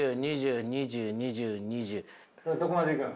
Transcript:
どこまでいくん？